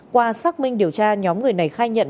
qua xác minh điều tra nhóm người này khai nhận